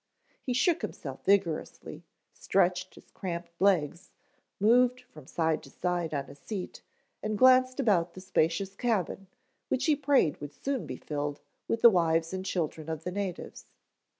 He shook himself vigorously, stretched his cramped legs, moved from side to side on his seat, and glanced about the spacious cabin which he prayed would soon be filled with the wives and children of the natives.